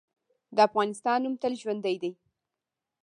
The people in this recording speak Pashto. د افغانستان نوم تل ژوندی دی.